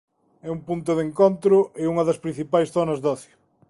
É un punto de encontro e unha das principais zonas de ocio.